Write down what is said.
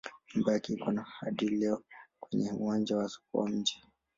Nyumba yake iko hadi leo kwenye uwanja wa soko wa mji.